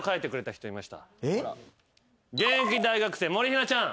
現役大学生もりひなちゃん。